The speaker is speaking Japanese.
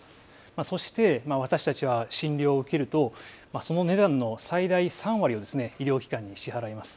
そして私たちは診療を受けると、その値段の最大３割を医療機関に支払います。